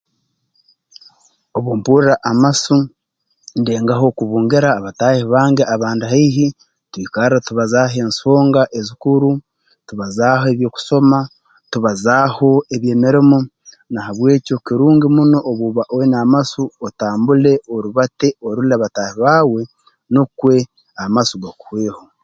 Obu mpurra amasu ndengaho okubungira abataahi bange abandi haihi twikarra tubazaaho ensonga ezikuru tubazaaho eby'okusoma tubazaaho eby'emirimo na habw'ekyo kirungi muno obu oba oine amasu otambule orubate orole bataahi baawe nukwe amasu gakuhweho